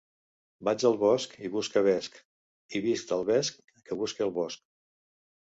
Vaig al bosc i busque vesc i visc del vesc que busque al bosc.